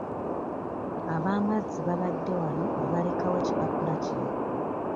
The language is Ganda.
Ab'amazzi babadde wano ne balekawo ekipapula kino.